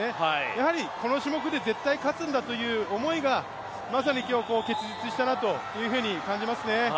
やはりこの種目で絶対勝つんだという思いが、まさに今日結実したなと感じますね。